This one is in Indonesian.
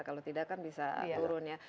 kalau tidak kan bisa turun ya